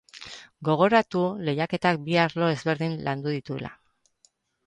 Gogoratu lehiaketak bi arlo ezberdin landu dituela.